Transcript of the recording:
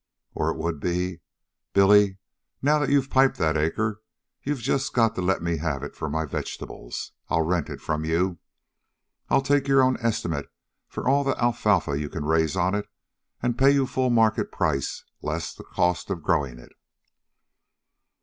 Or, it would be: "Billy, now that you've piped that acre, you've just got to let me have it for my vegetables. I'll rent it from you. I'll take your own estimate for all the alfalfa you can raise on it, and pay you full market price less the cost of growing it."